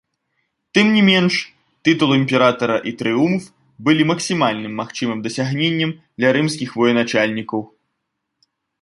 Тым не менш, тытул імператара і трыумф былі максімальным магчымым дасягненнем для рымскіх военачальнікаў.